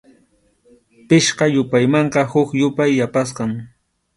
Pichqa yupaymanqa huk yupay yapasqam.